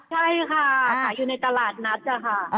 ใช่ค่ะขายอยู่ในตลาดนัดค่ะ